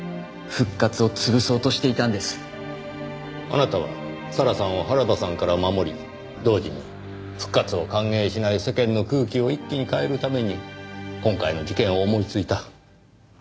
あなたは咲良さんを原田さんから守り同時に復活を歓迎しない世間の空気を一気に変えるために今回の事件を思いついた。